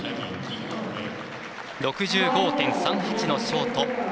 ６５．３８のショート。